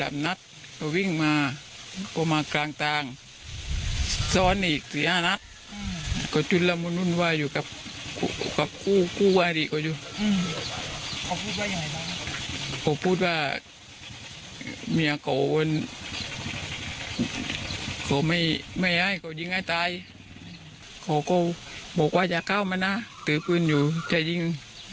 ไม่เอาว่าอย่าเข้ามานะโดยตือปืนอยู่จะยิง